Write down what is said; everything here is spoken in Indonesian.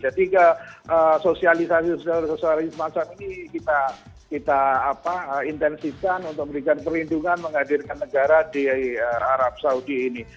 jadi ke sosialisasi sosialisasi semacam ini kita intensifkan untuk memberikan perlindungan menghadirkan negara di arab saudi ini